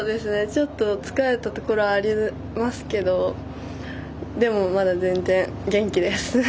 ちょっと疲れたところもありますけどでも、まだ全然、元気です。